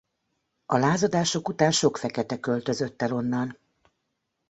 A lázadások után sok fekete költözött el onnan.